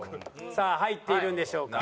さあ入っているんでしょうか？